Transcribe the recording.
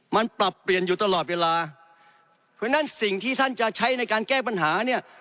มันปรับเปลี่ยนอยู่ตลอดเวลาเพราะฉะนั้นสิ่งที่ท่านจะใช้ในการแก้ปัญหาเนี่ย